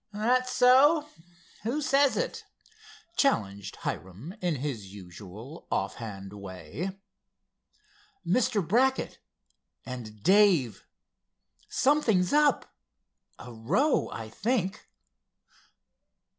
"That so? Who says it?" challenged Hiram in his usual offhand way. "Mr. Brackett. And Dave. Something's up. A row, I think."